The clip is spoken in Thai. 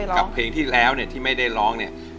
กับเพลงที่แล้วเนี่ยที่ไม่ได้ร้องเนี่ย